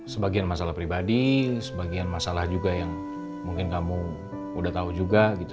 sebagian masalah pribadi sebagian masalah juga yang mungkin kamu udah tahu juga gitu